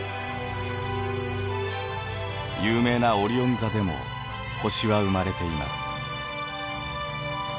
有名なオリオン座でも星は生まれています。